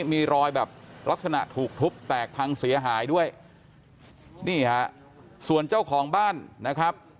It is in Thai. มีรอยแบบลักษณะถูกทุบแตกพังเสียหายด้วยนี่ฮะส่วนเจ้าของบ้านนะครับ